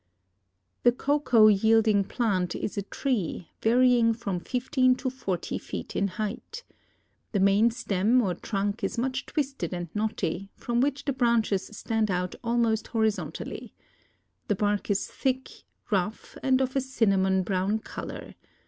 The cocoa yielding plant is a tree varying from fifteen to forty feet in height. The main stem or trunk is much twisted and knotty, from which the branches stand out almost horizontally. The bark is thick, rough and of a cinnamon brown color.